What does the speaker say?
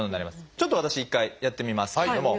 ちょっと私一回やってみますけれども。